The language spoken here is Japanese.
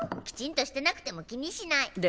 きちんとしてなくても気にしない。